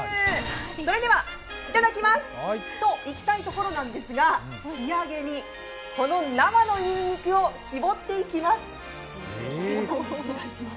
それでは、いただきます！といきたいところなんですが、仕上げに、この生のにんにくを搾っていきます。